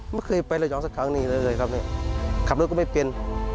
ไม่เคยไประยองสักครั้งนี้เลยครับเนี่ยขับรถก็ไม่เป็น